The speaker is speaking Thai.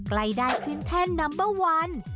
ใกล้ได้ขึ้นแท่นนัมเบอร์วัน